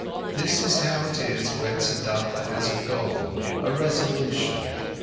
This is how it is when Siddhartha has a goal, a resolution.